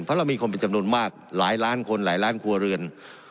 เพราะเรามีคนเป็นจำนวนมากหลายล้านคนหลายล้านครัวเรือน